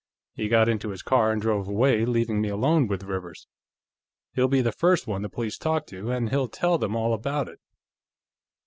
He got into his car and drove away, leaving me alone with Rivers. He'll be the first one the police talk to, and he'll tell them all about it."